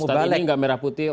ustadz ini nggak merah putih